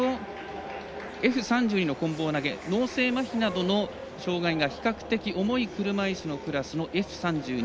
Ｆ３２のこん棒投げ脳性まひなどの障がいが比較的重いクラスのＦ３２。